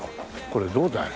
これどうだい？